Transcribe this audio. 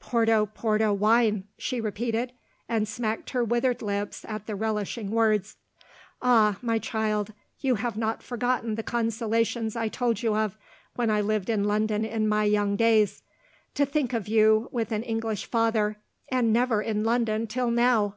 "Porto porto wine!" she repeated and smacked her withered lips at the relishing words. "Ah, my child, you have not forgotten the consolations I told you of, when I lived in London in my young days. To think of you, with an English father, and never in London till now!